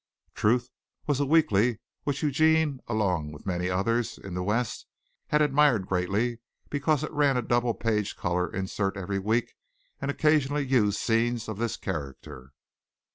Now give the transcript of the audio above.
"Truth" was a weekly which Eugene, along with many others in the West, had admired greatly because it ran a double page color insert every week and occasionally used scenes of this character.